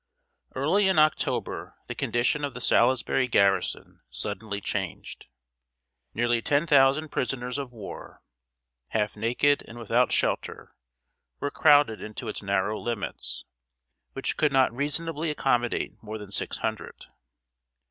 ] Early in October, the condition of the Salisbury garrison suddenly changed. Nearly ten thousand prisoners of war, half naked and without shelter, were crowded into its narrow limits, which could not reasonably accommodate more than six hundred.